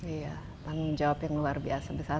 iya tanggung jawab yang luar biasa besar